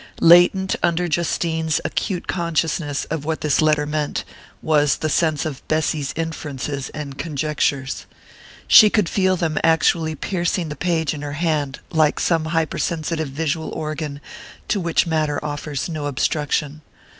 Latent under Justine's acute consciousness of what this letter meant, was the sense of Bessy's inferences and conjectures. She could feel them actually piercing the page in her hand like some hypersensitive visual organ to which matter offers no obstruction.